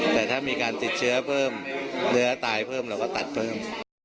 แต่ถ้ามีการติดเชื้อเพิ่มเนื้อตายเพิ่มเราก็ตัดเพิ่ม